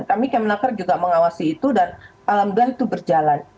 kami kemenaker juga mengawasi itu dan alhamdulillah itu berjalan